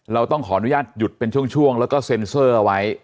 เราต้องขออนุญาตหยุดเป็นช่วงแล้วก็เซ็นเซอร์เอาไว้